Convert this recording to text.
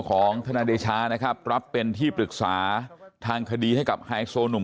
ของทนายเดชานะครับรับเป็นที่ปรึกษาทางคดีให้กับไฮโซหนุ่ม